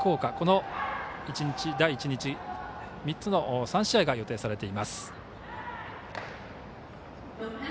この第１日３試合が予定されています。